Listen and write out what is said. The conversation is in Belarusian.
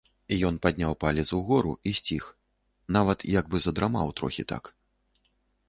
Ён падняў палец угору і сціх, нават як бы задрамаў трохі так.